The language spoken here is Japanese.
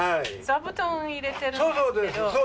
座布団入れてるんだけど。